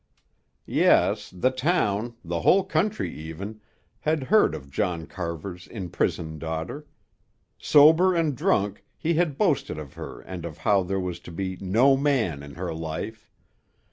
Yes, the town, the whole country even, had heard of John Carver's imprisoned daughter. Sober and drunk, he had boasted of her and of how there was to be "no man" in her life.